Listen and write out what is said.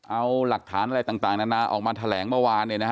เอาหลักฐานอะไรต่างนานาออกมาแถลงเมื่อวาน